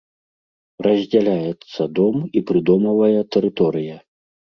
Раздзяляецца дом і прыдомавая тэрыторыя.